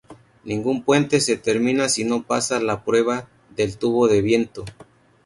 Ningún puente se termina si no pasa la prueba del "tubo de viento".